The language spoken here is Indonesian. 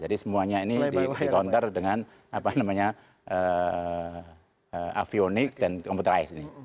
jadi semuanya ini di counter dengan apa namanya avionik dan computerized